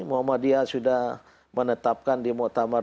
muhammadiyah sudah menetapkan di mu'tamar dua ribu lima belas